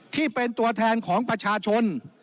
ที่เป็นตัวแทนของประชาชน